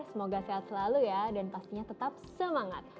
semoga sehat selalu ya dan pastinya tetap semangat